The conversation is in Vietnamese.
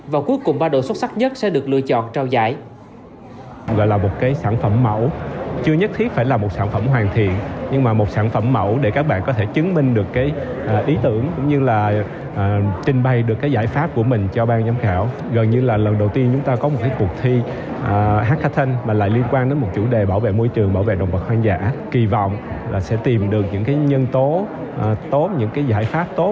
và cuối cùng ba đội xuất sắc nhất sẽ được lựa chọn trao giải